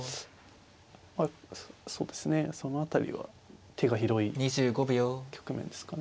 まあそうですねその辺りは手が広い局面ですかね。